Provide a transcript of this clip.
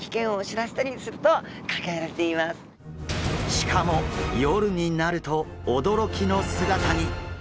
しかも夜になると驚きの姿に！